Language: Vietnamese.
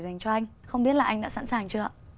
dành cho anh không biết là anh đã sẵn sàng chưa ạ